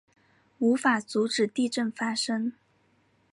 无法阻止地震发生